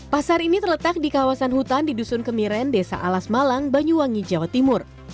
pasar ini terletak di kawasan hutan di dusun kemiren desa alas malang banyuwangi jawa timur